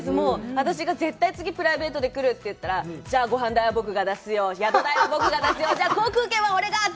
私が絶対次プライベートで来るって言ったら、じゃあ、ごはん代、僕が出すよ、宿代は僕が出すよ、じゃあ航空券は俺がって。